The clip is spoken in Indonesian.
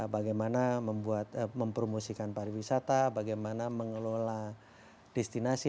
bagaimana membuat mempromosikan pariwisata bagaimana mengelola destinasi